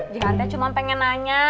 jihang teh cuma pengen nanya